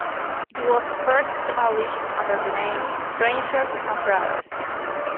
It was first published under the name "Strangers and Brothers".